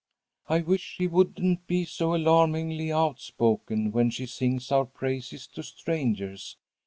"I wish she wouldn't be so alarmingly outspoken when she sings our praises to strangers.